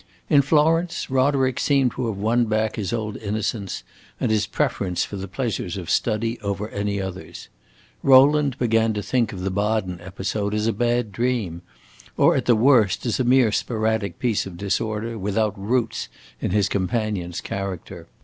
In Florence Roderick seemed to have won back his old innocence and his preference for the pleasures of study over any others. Rowland began to think of the Baden episode as a bad dream, or at the worst as a mere sporadic piece of disorder, without roots in his companion's character.